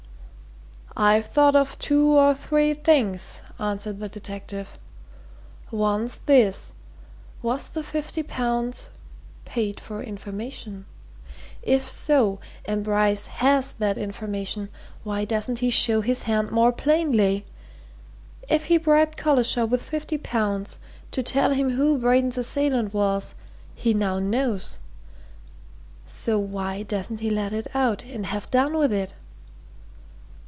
"I've thought of two or three things," answered the detective. "One's this was the fifty pounds paid for information? If so, and Bryce has that information, why doesn't he show his hand more plainly? If he bribed Collishaw with fifty pounds: to tell him who Braden's assailant was, he now knows! so why doesn't he let it out, and have done with it?"